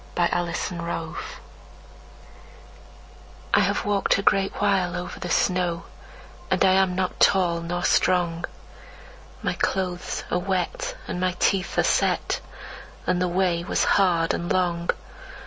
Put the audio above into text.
Mary Coleridge The Witch I HAVE walked a great while over the snow, And I am not tall or strong. My clothes are wet, and my teeth are set, And the way was hard and long.